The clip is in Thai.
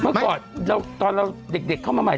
เมื่อก่อนตอนเราเด็กเข้ามาใหม่